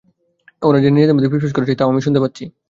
ওরা যে নিজেদের মধ্যে ফিসফিস করছে, তাও আমি শুনতে পাচ্ছি।